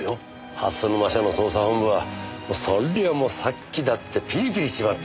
蓮沼署の捜査本部はそりゃもう殺気だってピリピリしちまって。